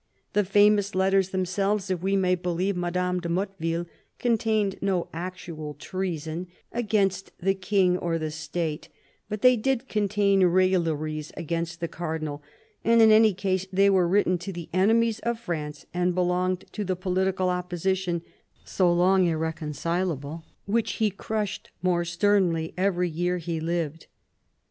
The famous letters themselves, if we may believe Madame de Motteville, contained no actual treason against the King or the State ; but they did contain " railleries " against the Cardinal, and in any case they were written to the enemies of France, and belonged to the political opposition so long irreconcilable, which he crushed more sternly every year he lived.